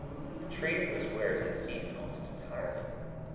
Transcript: The trade in those wares had ceased almost entirely.